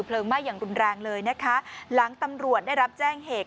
ไหม้อย่างรุนแรงเลยนะคะหลังตำรวจได้รับแจ้งเหตุ